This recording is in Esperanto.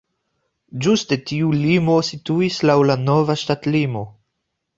Ĝuste tiu limo situis laŭ la nova ŝtatlimo.